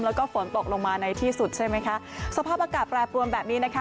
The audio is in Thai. แล้วก็ฝนตกลงมาในที่สุดใช่ไหมคะสภาพอากาศแปรปรวนแบบนี้นะคะ